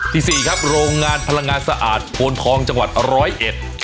สี่ครับโรงงานพลังงานสะอาดโพนทองจังหวัดร้อยเอ็ด